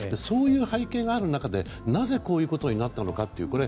そういう背景がある中でなぜ、こういうことになったのかという。